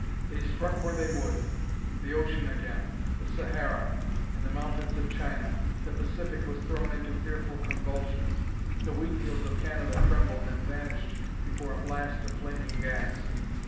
They struck where they would: the ocean again; the Sahara; in the mountains of China; the Pacific was thrown into fearful convulsions; the wheat fields of Canada trembled and vanished before a blast of flaming gas....